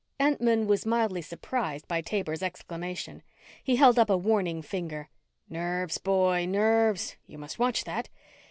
Entman was mildly surprised by Taber's exclamation. He held up a warning finger. "Nerves, boy, nerves. You must watch that.